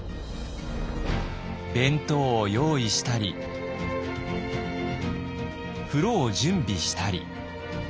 弁当を用意したり風呂を準備したり。